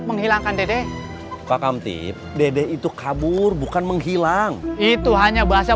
menghilangkan dedek pak kamtip dede itu kabur bukan menghilang itu hanya bahasa